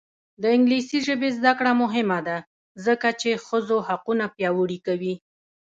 د انګلیسي ژبې زده کړه مهمه ده ځکه چې ښځو حقونه پیاوړي کوي.